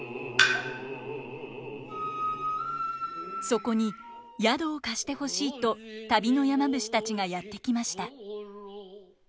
そこに宿を貸してほしいと旅の山伏たちがやって来ました。